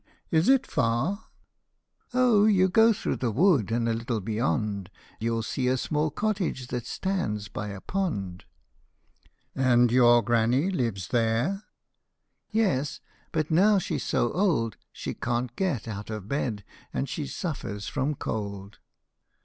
Is it far ?"" Oh, you go through the wood, and a little beyond You '11 see a small cottage that stands by a pond." " And your granny lives there ?"" Yes ; but now she 's so old She can't get out of bed and she suffers from cold."